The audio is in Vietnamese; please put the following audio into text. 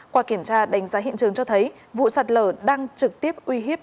qua kiểm tra đánh giá hiện trường cho thấy vụ sạt lở đang trực tiếp uy hiếp